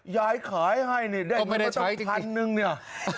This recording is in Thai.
ยายขายให้เนี่ยได้มาบ้างชกพันหนึ่งนี่